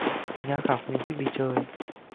Nhác học nhưng thích đi chơi